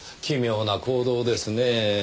奇妙な行動ですねぇ。